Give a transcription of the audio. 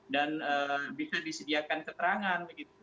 dan bisa disediakan keterangan begitu